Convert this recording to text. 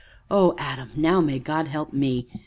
"Oh, Adam! now may God help me!"